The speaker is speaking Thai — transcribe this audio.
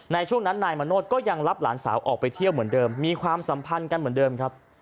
ในช่วงนั้นนายมโนธก็ยังรับหลานสาวออกไปเที่ยวเหมือนเดิมมีความสัมพันธ์กันเหมือนเดิมครับ